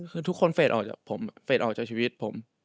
คือทุกคนเฟสออกจากชีวิตผม